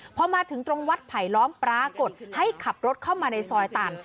พอมาถึงตรงวัดไผลล้อมปรากฏให้ขับรถเข้ามาในซอยตัน